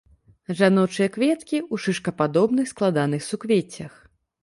Жаночыя кветкі ў шышкападобных складаных суквеццях.